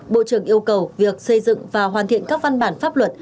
bộ trưởng yêu cầu việc xây dựng và hoàn thiện các văn bản pháp luật